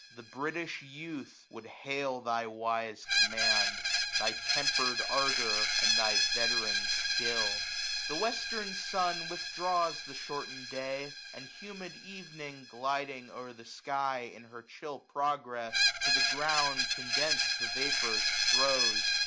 The British Youth would hail thy wise command. Thy temper*d ardour and thy vet*ran skill. The western sun withdraws the shortened day ; And humid evening, gliding o*er the sky, lo^i In her chill progress, to the ground condens*d The vapours throws.